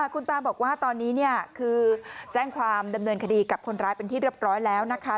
คุณตาบอกว่าตอนนี้คือแจ้งความดำเนินคดีกับคนร้ายเป็นที่เรียบร้อยแล้วนะคะ